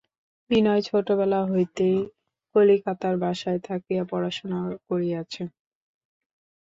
বিনয় ছেলেবেলা হইতেই কলিকাতার বাসায় থাকিয়া পড়াশুনা করিয়াছে।